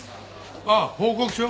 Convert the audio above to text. ああ報告書？